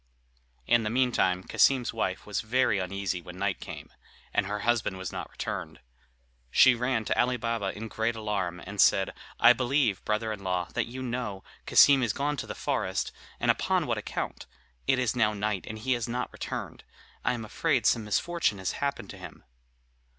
In the meantime, Cassim's wife was very uneasy when night came, and her husband was not returned. She ran to Ali Baba in great alarm, and said: "I believe, brother in law, that you know Cassim is gone to the forest, and upon what account; it is now night, and he has not returned; I am afraid some misfortune has happened to him."